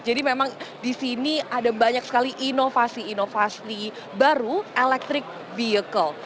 jadi memang di sini ada banyak sekali inovasi inovasi baru electric vehicle